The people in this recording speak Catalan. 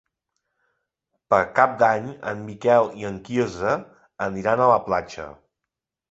Per Cap d'Any en Miquel i en Quirze aniran a la platja.